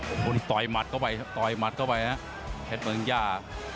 คนต่อยหมัดเข้าไปครับต่อยหมัดเข้าไปนะเพชรเมืองย่า